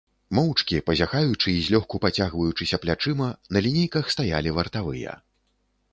Моўчкі, пазяхаючы і злёгку пацягваючыся плячыма, на лінейках стаялі вартавыя.